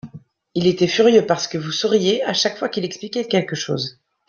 il était furieux parce que vous souriiez à chaque fois qu'il expliquait quelque chose.